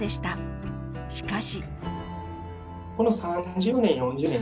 しかし。